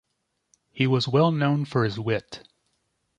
He was well known for his wit.